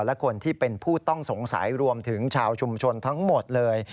และคนที่เป็นผู้ต้องสงสัยรวมถึงชาวชุมชนทั้งหมดเลย